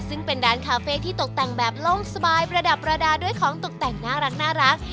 ซึ่งเป็นร้านคาเฟ่ที่ตกแต่งแบบโล่งสบายประดับประดาษด้วยของตกแต่งน่ารัก